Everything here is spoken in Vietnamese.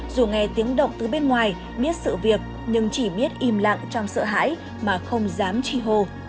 dù nghe tiếng động từ bên ngoài biết sự việc nhưng chỉ biết im lặng trong sợ hãi mà không dám chi hồ